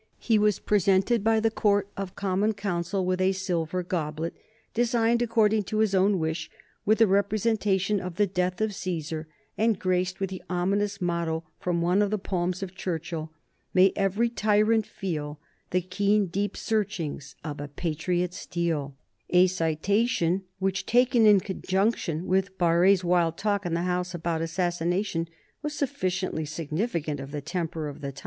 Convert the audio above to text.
He was presented by the Court of Common Council with a silver goblet, designed according to his own wish with a representation of the death of Caesar, and graced with the ominous motto from one of the poems of Churchill: May every tyrant feel The keen deep searchings of a patriot steel, a citation which, taken in conjunction with Barré's wild talk in the House about assassination, was sufficiently significant of the temper of the time.